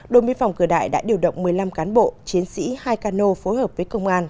đồng biên phòng cửa đại đã điều động một mươi năm cán bộ chiến sĩ hai cano phối hợp với công an